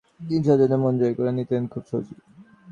তিনি ছাত্রদের মন জয় করে নিতেন খুব সহজেই।